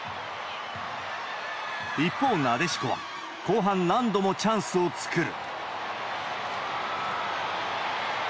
一方、なでしこは、後半何度もチャンスを作る。